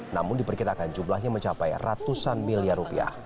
namun diperkirakan jumlahnya mencapai ratusan miliar rupiah